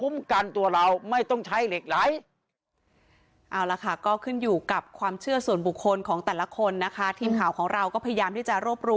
มันไม่ต้องใช้มันใช้ความดีตรงนี้ครับ